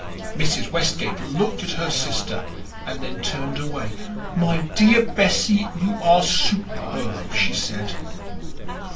Mrs. Westgate looked at her sister and then turned away. "My dear Bessie, you are superb!" she said.